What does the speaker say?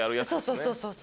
そうそうそう。